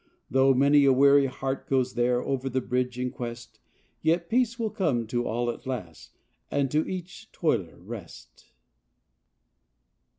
Though many a weary heart goes there Over the bridge in quest, Yet peace will come to all at last And to each toiler rest.